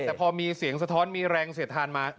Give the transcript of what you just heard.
แต่พอมีเสียงสะท้อนมีแรงเสียดทานมา